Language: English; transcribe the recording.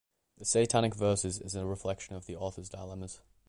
"The Satanic Verses" is a reflection of the author's dilemmas.